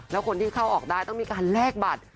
แล้วคนที่เข้าออกได้ต้องมีการแลกบัตร